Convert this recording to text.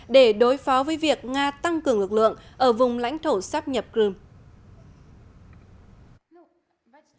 để đối phó với việc nga tăng cường lực lượng ở vùng lãnh thổ sắp nhập crime